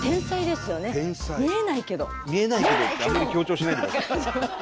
「見えないけど」ってあんまり強調しないでください。